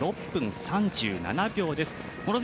６分３７秒です。